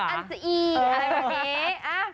อันซีอีอะไรแบบนี้